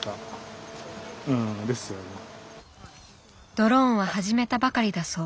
ドローンは始めたばかりだそう。